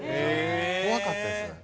怖かったです。